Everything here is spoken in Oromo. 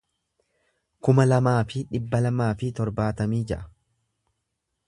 kuma lamaa fi dhibba lamaa fi torbaatamii ja'a